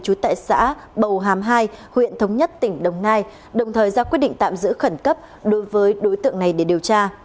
trú tại xã bầu hàm hai huyện thống nhất tỉnh đồng nai đồng thời ra quyết định tạm giữ khẩn cấp đối với đối tượng này để điều tra